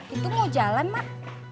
itu mau jalan mak